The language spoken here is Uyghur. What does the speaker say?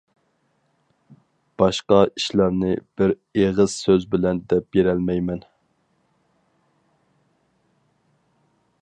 باشقا ئىشلارنى بىر ئېغىز سۆز بىلەن دەپ بېرەلمەيمەن.